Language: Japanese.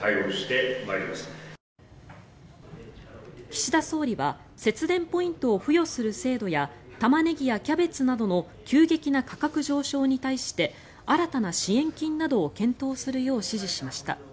岸田総理は節電ポイントを付与する制度やタマネギやキャベツなどの急激な価格上昇に対して新たな支援金などを検討するよう指示しました。